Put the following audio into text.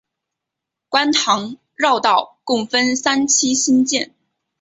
观塘绕道共分三期兴建。